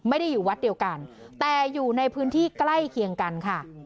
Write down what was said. ไม่ได้อยู่วัดเดียวกันแต่อยู่ในพื้นที่ใกล้เคียงกันค่ะ